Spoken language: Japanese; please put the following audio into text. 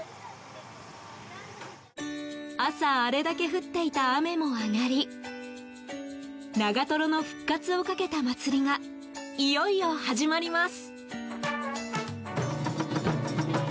朝、あれだけ降っていた雨も上がり長瀞の復活をかけた祭りがいよいよ始まります。